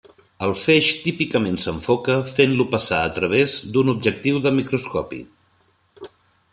El feix típicament s'enfoca fent-lo passar a través d'un objectiu de microscopi.